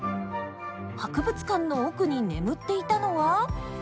博物館の奥に眠っていたのは。